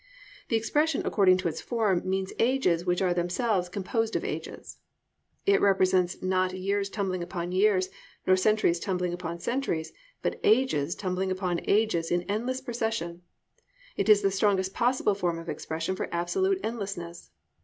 The expression according to its form means ages which are themselves composed of ages. It represents not years tumbling upon years, nor centuries tumbling upon centuries, but ages tumbling upon ages in endless procession. It is the strongest possible form of expression for absolute endlessness.